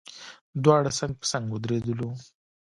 دواړه څنګ په څنګ ودرېدلو.